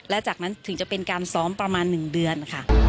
และจากนั้นถึงจะเป็นการซ้อมประมาณ๑เดือนค่ะ